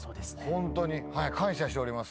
ホントに。感謝しております。